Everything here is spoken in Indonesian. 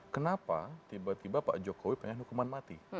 kenapa tiba tiba pak jokowi pengen hukuman mati